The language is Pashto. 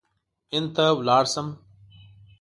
هند ته ولاړ شم.